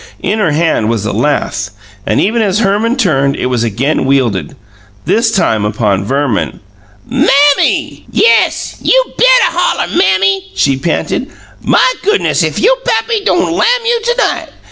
In her hand was a lath, and, even as Herman turned, it was again wielded, this time upon Verman. "MAMMY!" "Yes; you bettuh holler, 'Mammy!"' she panted. "My goo'ness, if yo' pappy don' lam you to night!